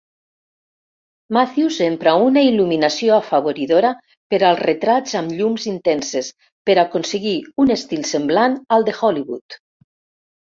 Matthews empra una il·luminació afavoridora per als retrats amb llums intenses per aconseguir un estil semblant al de Hollywood.